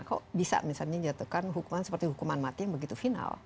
kok bisa misalnya jatuhkan hukuman seperti hukuman mati yang begitu final